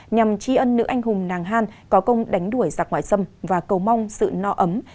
nhằm tri ân nữ anh hùng nàng han có công đánh đuổi giặc ngoại xâm và cầu mong sự no ấm